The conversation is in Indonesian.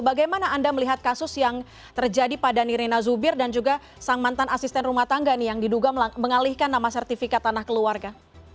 bagaimana anda melihat kasus yang terjadi pada nirina zubir dan juga sang mantan asisten rumah tangga nih yang diduga mengalihkan nama sertifikat tanah keluarga